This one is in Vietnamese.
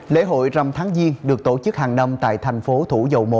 lễ hội rầm tháng diên được tổ chức hàng năm tại thành phố thủ dầu một